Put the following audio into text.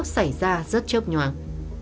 xảy ra rất chớp nhoàng